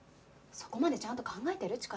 そこまでちゃんと考えてる？